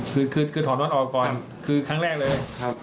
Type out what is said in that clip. เขาเป็นเหตุผลแบบอย่างงี้